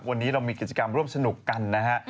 วันนี้เรามีกิจกรรมร่วมสนุกกันนะฮะ